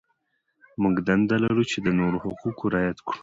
موږ دنده لرو چې د نورو حقوق رعایت کړو.